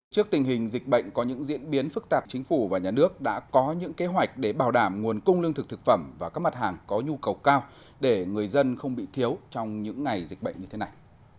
trước tình hình dịch bệnh có những diễn biến phức tạp chính phủ và nhà nước đã có những kế hoạch để bảo đảm nguồn cung lương thực thực phẩm và các mặt hàng có nhu cầu cao để người dân không bị thiếu trong những ngày dịch bệnh như thế này